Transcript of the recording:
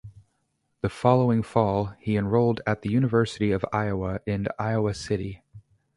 The following fall he enrolled at the University of Iowa in Iowa City.